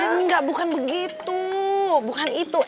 engga bukan begitu